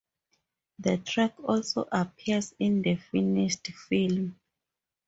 The track also appears in the finished film.